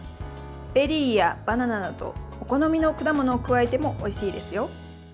ベリーやバナナなどお好みの果物を加えてもおいしいですよ。